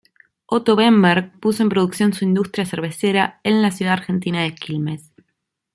Otto Bemberg, puso en producción su industria cervecera en la ciudad argentina de Quilmes.